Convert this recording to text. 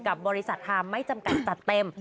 กับบริษัทฮาไม่จำกัดจะเต็ม